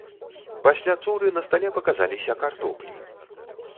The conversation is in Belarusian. Пасля цуры на стале паказаліся картоплі.